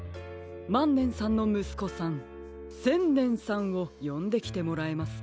まんねんさんのむすこさんせんねんさんをよんできてもらえますか？